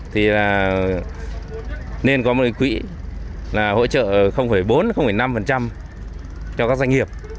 thì là nên có một quỹ hỗ trợ bốn năm cho các doanh nghiệp